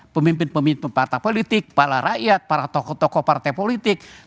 pemimpin pemimpin partai politik kepala rakyat para tokoh tokoh partai politik